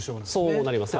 そうなりますね。